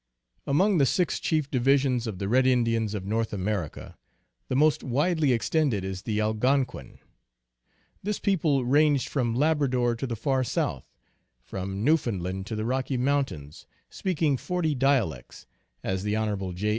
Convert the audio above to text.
AMONG the six chief divisions of the red Indians of North America the most widely extended is the Al gonquin. This people ranged from Labrador to the far South, from Newfoundland to the Rocky Moun tains, speaking forty dialects, as the Hon. J.